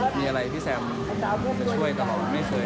มีอะไรพี่แซมจะช่วยแต่บอกไม่เกิดขอบอกว่าไม่ได้